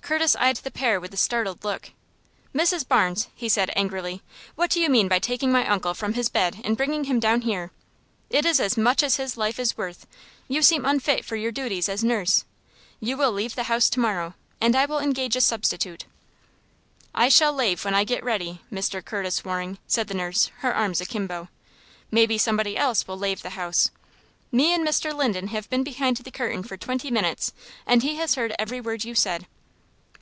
Curtis eyed the pair with a startled look. "Mrs. Barnes," he said, angrily, "what do you mean by taking my uncle from his bed and bringing him down here? It is as much as his life is worth. You seem unfit for your duties as nurse. You will leave the house to morrow, and I will engage a substitute." "I shall lave whin I git ready, Mr. Curtis Waring," said the nurse, her arms akimbo. "Maybe somebody else will lave the house. Me and Mr. Linden have been behind the curtain for twenty minutes, and he has heard every word you said."